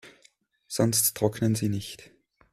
Sonst trocknen sie nicht.